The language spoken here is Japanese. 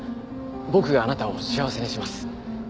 僕があなたを幸せにします。